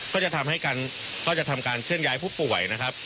ก็จะทำการเคลื่อนย้ายผู้ป่วยนะครับ